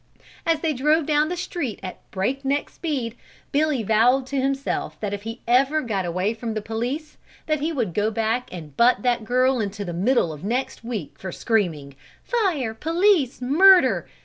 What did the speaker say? As they drove down the street at break neck speed, Billy vowed to himself that if he ever got away from the police, that he would go back and butt that girl into the middle of next week for screaming, "Fire! police! murder!"